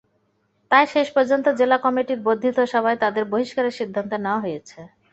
তাই শেষ পর্যন্ত জেলা কমিটির বর্ধিত সভায় তাঁদের বহিষ্কারের সিদ্ধান্ত নেওয়া হয়েছে।